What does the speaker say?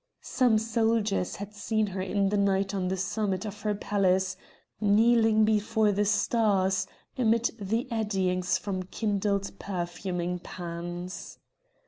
Some soldiers had seen her in the night on the summit of her palace kneeling before the stars amid the eddyings from kindled perfuming pans.